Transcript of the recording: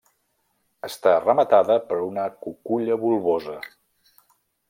Està rematada per una cuculla bulbosa.